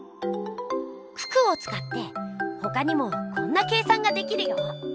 九九をつかってほかにもこんな計算ができるよ。